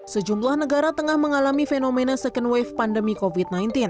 sejumlah negara tengah mengalami fenomena second wave pandemi covid sembilan belas